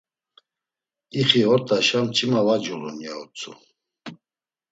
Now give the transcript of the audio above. “İxi ort̆aşa mç̌ima va culun.” ya utzu.